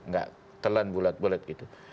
gak telan bulat bulat gitu